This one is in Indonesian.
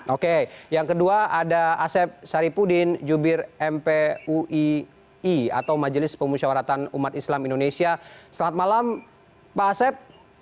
oke yang kedua ada asep saripudin jubir mpui atau majelis pemusyawaratan umat islam indonesia selamat malam pak asep